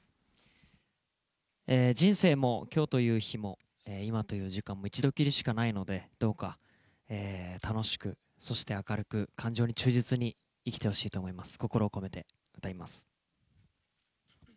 人生も今日という日も今という時間も一度きりしかないのでどうか楽しく、そして明るく感情に忠実に生きてほしいと思います。